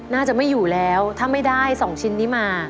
น่าจะไม่อยู่แล้วถ้าไม่ได้๒ชิ้นนี้มา